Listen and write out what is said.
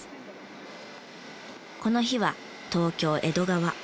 この日は東京江戸川。